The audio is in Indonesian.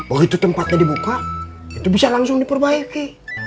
oh itu tempatnya dibuka itu bisa langsung diperbaiki